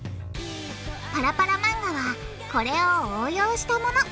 パラパラ漫画はこれを応用したもの。